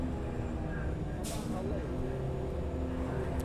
ئەمە هەڵەیەکە.